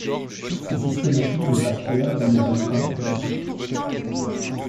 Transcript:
Sa systématique n'est pas claire dans les Balkans et la Turquie.